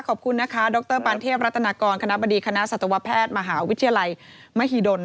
ขอบคุณนะคะดรปานเทพรัตนากรคณะบดีคณะสัตวแพทย์มหาวิทยาลัยมหิดล